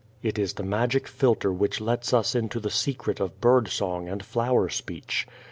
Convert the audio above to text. It is the magic philtre which lets us into the secret of bird song and flower speech.